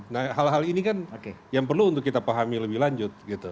nah hal hal ini kan yang perlu untuk kita pahami lebih lanjut gitu